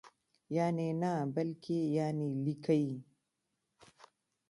یعني نه بلکې یانې لیکئ!